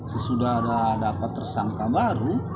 sesudah ada dapat tersangka baru